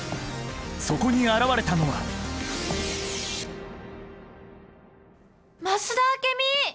そこに現れたのは増田明美！